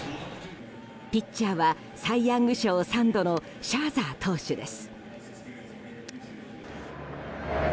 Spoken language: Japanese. ピッチャーはサイ・ヤング賞３度のシャーザー投手です。